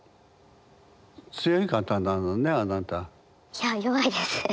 いや弱いです。